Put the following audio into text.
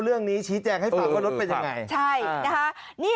เรื่องนี้ชี้แจงให้ฟังว่ารถเป็นยังไงใช่นะคะ